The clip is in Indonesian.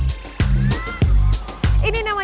ini namanya menjelajah indonesia melalui kursus kuliner